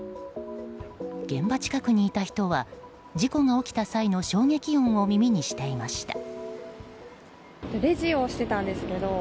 現場近くにいた人は事故が起きた際の衝撃音を耳にしていました。